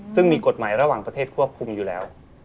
ซึ่งมีกฎหมายระหว่างประเทศควบคุมอยู่แล้ว